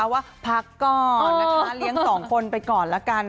ว่าพักก่อนนะคะเลี้ยงสองคนไปก่อนละกัน